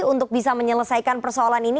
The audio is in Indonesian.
untuk bisa menyelesaikan persoalan ini